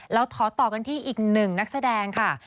เราขอต่อกันที่อีกหนึ่งนักแสดงค่ะ